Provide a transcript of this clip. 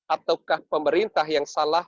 ataukah pemerintah yang salah